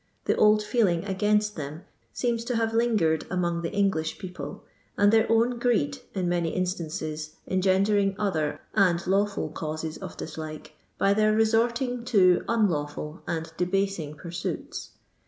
The old feeling against them seems to have lin gered among the English people, and their own greed in many instances engendered other and hkwful causes A dislike, by their resorting to un lawful and debasing pursuits.